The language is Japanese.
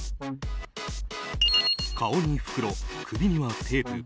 顔に袋、首にはテープ。